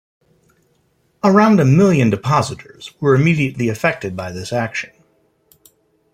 Around a million depositors were immediately affected by this action.